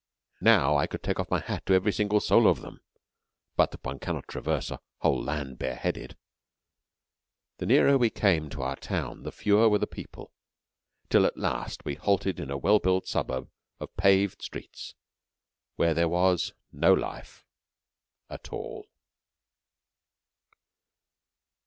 Now, I could take off my hat to every single soul of them, but that one cannot traverse a whole land bareheaded. The nearer we came to our town the fewer were the people, till at last we halted in a well built suburb of paved streets where there was no life at all.